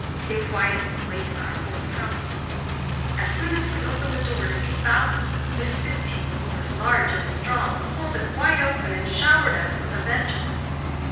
They quietly waited our forthcoming. As soon as we opened the door to peep out, Miss Fitzhugh, who was large and strong, pulled it wide open and showered us with a vengeance.